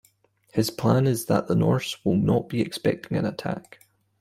His plan is that the Norse will not be expecting an attack.